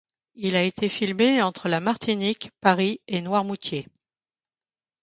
Il a été filmé entre la Martinique, Paris et Noirmoutier.